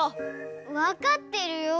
わかってるよ。